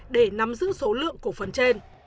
để nắm giữ số lượng cổ phần trên